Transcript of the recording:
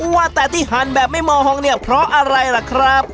ว่าแต่ที่หันแบบไม่มองเนี่ยเพราะอะไรล่ะครับ